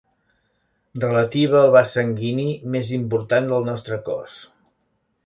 Relativa al vas sanguini més important del nostre cos.